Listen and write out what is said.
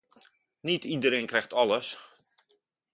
Niet iedereen krijgt alles.